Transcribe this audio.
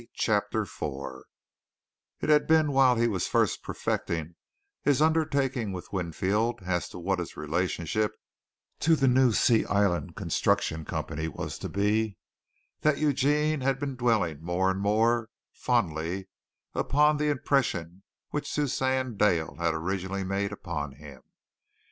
CHAPTER IV It had been while he was first perfecting his undertaking with Winfield as to what his relationship to the new Sea Island Construction Company was to be that Eugene had been dwelling more and more fondly upon the impression which Suzanne Dale had originally made upon him.